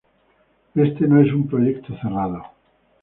Este no es un proyecto cerrado.